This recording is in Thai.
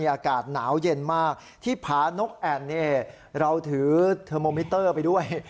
อากาศหนาวเย็นมากที่ผานกแอ่นเนี่ยเราถือเทอร์โมมิเตอร์ไปด้วย